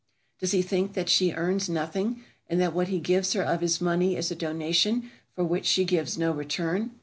Does he think that she earns nothing, and that what he gives her of his money is a donation for which she gives no return?